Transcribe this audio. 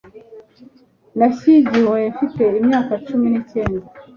Nashyingiwe mfite imyaka cumi nicyenda